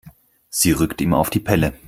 Sie rückt ihm auf die Pelle.